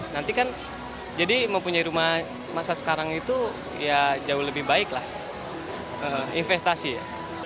nanti kan jadi mempunyai rumah masa sekarang itu ya jauh lebih baik lah investasi ya